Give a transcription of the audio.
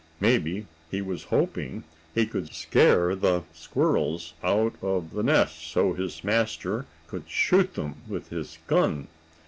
Maybe he was hoping he could scare the squirrels out of the nest so his master could shoot them with his gun.